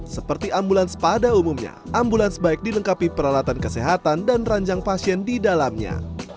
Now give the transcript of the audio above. seperti ambulans pada umumnya ambulans bike dilengkapi peralatan kesehatan dan ranjang pasien di dalamnya